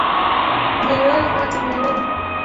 Milele hata milele.